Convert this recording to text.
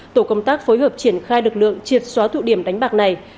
tổ công tác phối hợp triển khai lực lượng triệt xóa tụ điểm đánh bạc này